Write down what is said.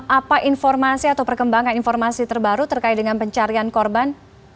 apa informasi atau perkembangan informasi terbaru terkait dengan pencarian korban